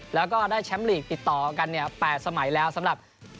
แล้วก็ได้แชมป์ลีกติดต่อกันเนี่ย๘สมัยแล้วสำหรับ